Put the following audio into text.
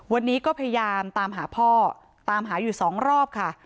วันนี้ก็พยายามตามหาพ่อตามหาอยู่สองรอบค่ะ